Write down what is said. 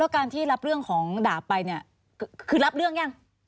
แล้วกันที่รับเรื่องของดาบไปคือรับเรื่องหรือยัง